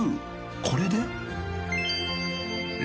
［これで？］